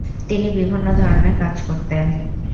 তিনি বিভিন্ন ধরনের কাজ করতেন।